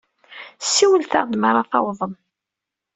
Siwlet-aɣ-d mi ara tawḍem.